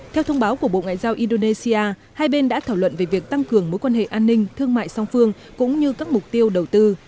theo thông báo của bộ ngoại giao indonesia hai bên đã thảo luận về việc tăng cường mối quan hệ an ninh thương mại song phương cũng như các mục tiêu đầu tư